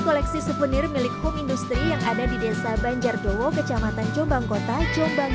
koleksi suvenir milik home industry yang ada di desa banjardowo kecamatan jombang kota jombang